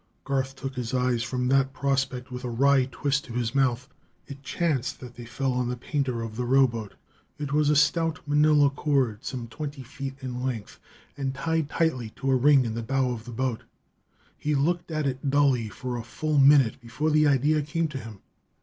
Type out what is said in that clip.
Garth took his eyes from that prospect with a wry twist to his mouth. It chanced that they fell on the painter of the rowboat. It was a stout Manila cord, some twenty feet in length, and tied tightly to a ring in the bow of the boat. He looked at it dully for a full minute before the idea came to him.